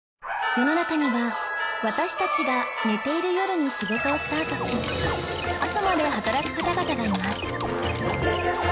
世の中には私たちが寝ている夜に仕事をスタートし朝まで働く方々がいます